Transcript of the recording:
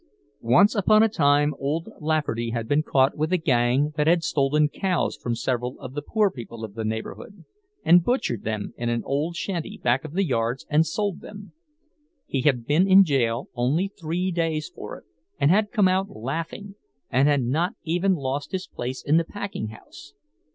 Once upon a time old Lafferty had been caught with a gang that had stolen cows from several of the poor people of the neighborhood and butchered them in an old shanty back of the yards and sold them. He had been in jail only three days for it, and had come out laughing, and had not even lost his place in the packing house.